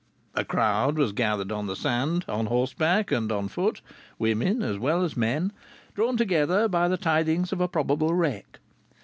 A crowd was gathered on the sand, on horseback and on foot, women as well as men, drawn together by the tidings of a probable wreck.